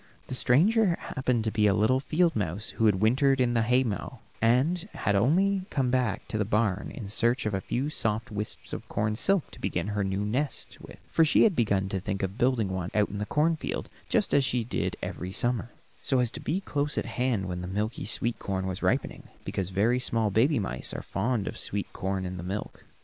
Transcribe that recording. The stranger happened to be a little field mouse who had wintered in the haymow, and had only come back to the barn in search of a few soft wisps of corn silk to begin her new nest with, for she had begun to think of building one out in the corn field, just as she did every summer, so as to be close at hand when the milky sweet corn was ripening, because very small baby mice are fond of sweet corn in the milk.